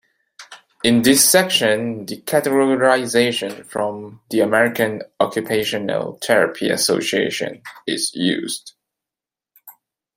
In this section, the categorization from the American Occupational Therapy Association is used.